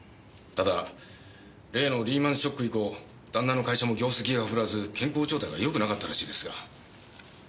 ただ例のリーマンショック以降旦那の会社も業績がふるわず健康状態がよくなかったらしいですが。